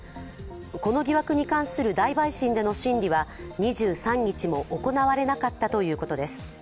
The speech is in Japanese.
この疑惑に関する大陪審での審理は２３日も行われなかったということです。